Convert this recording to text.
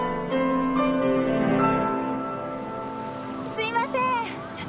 すいません。